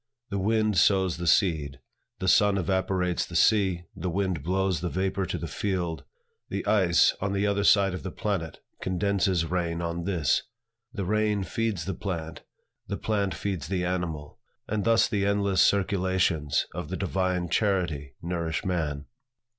The wind sows the seed; the sun evaporates the sea; the wind blows the vapor to the field; the ice, on the other side of the planet, condenses rain on this; the rain feeds the plant; the plant feeds the animal; and thus the endless circulations of the divine charity nourish man.